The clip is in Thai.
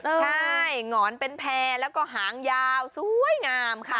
ใช่หงอนเป็นแพร่แล้วก็หางยาวสวยงามค่ะ